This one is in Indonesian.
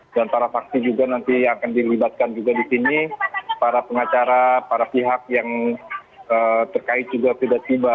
dan para paksi juga nanti akan dilibatkan juga di sini para pengacara para pihak yang terkait juga tidak tiba